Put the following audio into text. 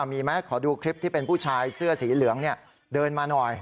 มีไหมขอดูคลิปที่เป็นผู้ชายเสื้อสีเหลืองเดินมาหน่อย